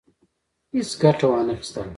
هیڅ ګټه وانه خیستله.